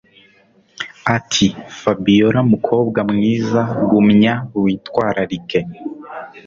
atiFabiora mukobwa mwiza gumya witwararike